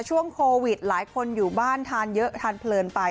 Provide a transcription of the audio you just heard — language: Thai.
ช่วงโควิดหลายคนอยู่บ้านทานเยอะทานเพลินไป